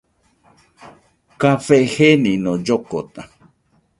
Café jenino llokota